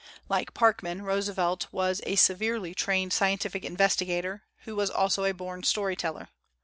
Like Parkman, Roosevelt was a severely trained scientific investigator, who was also a born story teller.